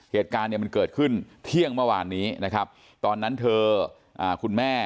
เหตุการณ์เนี่ยมันเกิดขึ้นเที่ยงเมื่อวานนี้นะครับตอนนั้นเธอคุณแม่